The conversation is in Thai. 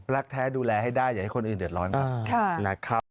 รักแท้ดูแลให้ได้อย่าให้คนอื่นเดิดร้อน